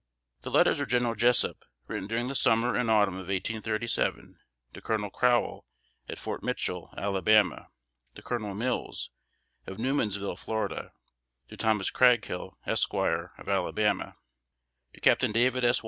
The letters of General Jessup, written during the summer and autumn of 1837, to Colonel Crowell, at Fort Mitchell, Alabama; to Colonel Mills, of Newmansville, Florida; to Thomas Craghill, Esq., of Alabama; to Captain David S.